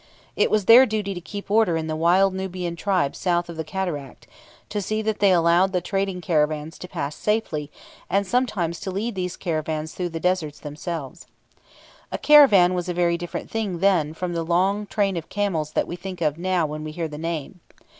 It was their duty to keep in order the wild Nubian tribes south of the Cataract, to see that they allowed the trading caravans to pass safely, and sometimes to lead these caravans through the desert themselves. A caravan was a very different thing then from the long train of camels that we think of now when we hear the name.